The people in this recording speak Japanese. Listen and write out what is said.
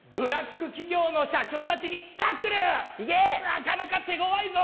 なかなか手ごわいぞ！